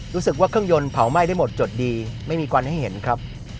เครื่องยนต์เผาไหม้ได้หมดจดดีไม่มีควันให้เห็นครับ